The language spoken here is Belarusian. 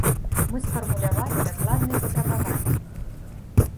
Мы сфармулявалі дакладныя патрабаванні.